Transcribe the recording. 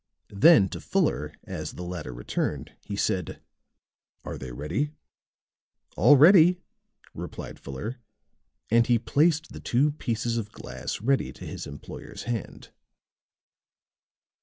Then to Fuller, as the latter returned, he said: "Are they ready?" "All ready," replied Fuller, and he placed the two pieces of glass ready to his employer's hand.